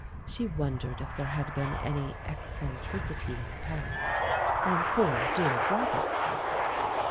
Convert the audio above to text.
She wondered if there had been any eccentricity in the past "on poor dear Robert's side."